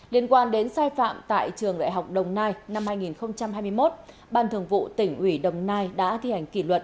liên quan đến sai phạm tại trường đại học đồng nai năm hai nghìn hai mươi một ban thường vụ tỉnh ủy đồng nai đã thi hành kỷ luật